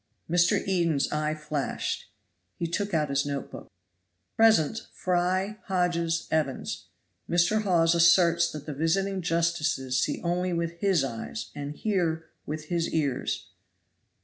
Mr. Eden's eye flashed, he took out his note book. "Present Fry, Hodges, Evans. Mr. Hawes asserts that the visiting justices see only with his eyes and hear with his ears."